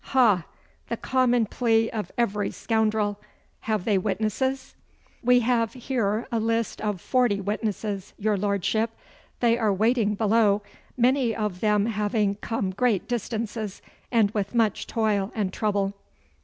'Ha! The common plea of every scoundrel. Have they witnesses?' 'We have here a list of forty witnesses, your Lordship. They are waiting below, many of them having come great distances, and with much toil and trouble.